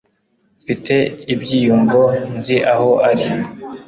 Mfite ibyiyumvo nzi aho ari.